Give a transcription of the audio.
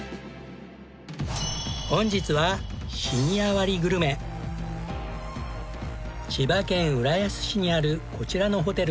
本日は千葉県浦安市にあるこちらのホテル。